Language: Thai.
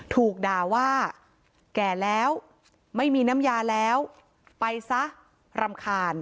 ถูกด่าว่าแก่แล้วไม่มีน้ำยาแล้วไปซะรำคาญ